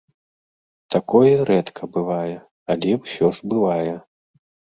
Такое рэдка бывае, але ўсё ж бывае.